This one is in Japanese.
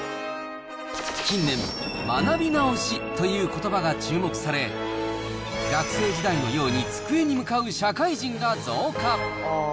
近年、学び直しということばが注目され、学生時代のように机に向かう社会人が増加。